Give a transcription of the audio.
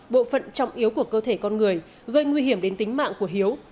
bộ phận trọng yếu của cơ thể con người gây nguy hiểm đến tính mạng của hiếu